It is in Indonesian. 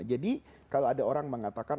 jadi kalau ada orang mengatakan